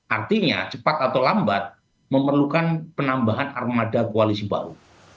artinya cepat atau lambat memerlukan penambahan armada koalisi baru